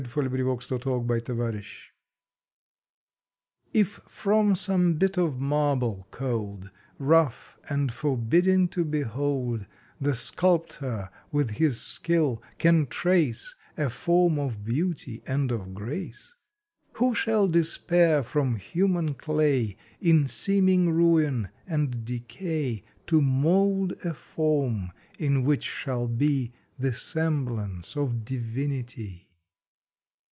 September Nineteenth SOUL SCULPTURE TF from some bit of marble cold, Rough and forbidding to behold, The Sculptor with his skill can trace A form of beauty and of grace, Who shall despair from human clay In seeming ruin and decay To mold a form in which shall be The semblance of Divinity?